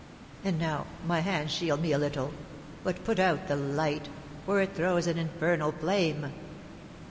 Ah, now my hands shield me a little! But put out the light, for it throws an infernal flame!"